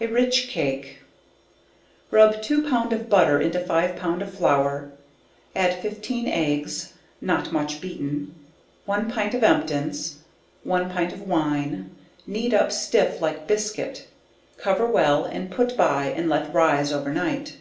A rich Cake. Rub 2 pound of butter into 5 pound of flour, add 15 eggs (not much beaten) 1 pint of emptins, 1 pint of wine, kneed up stiff like biscuit, cover well and put by and let rise over night.